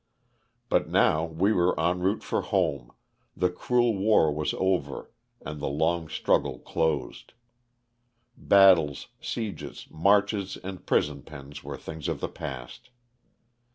But now we were en route for home, the cruel war was over and the long struggle closed. Battles, sieges, marches and prison pens were things of the past.